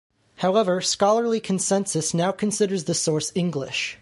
However, scholarly consensus now considers the source English.